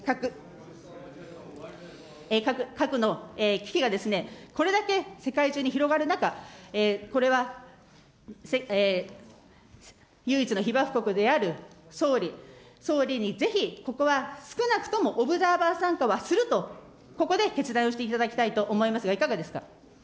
核の危機がですね、これだけ世界中に広がる中、これは、唯一の被爆国である総理、総理にぜひ、ここは少なくともオブザーバー参加はすると、ここで決断をしていただきたいと思います